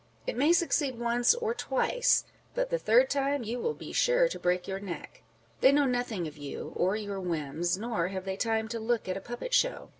It may succeed once or twice, but the third time you will be sure to break your neck. They know nothing of you, or your whims, nor have they time to look at a puppet show.